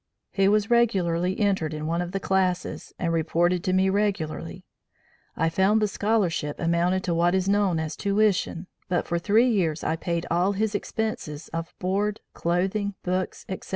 He was regularly entered in one of the classes, and reported to me regularly. I found the 'Scholarship' amounted to what is known as 'tuition,' but for three years I paid all his expenses of board, clothing, books, &c.